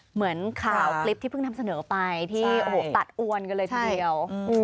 เหมือนข่าวคลิปที่เพิ่งนำเสนอไปที่โอ้โหตัดอวนกันเลยทีเดียว